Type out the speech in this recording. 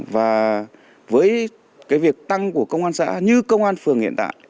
và với việc tăng của công an xã như công an phường hiện tại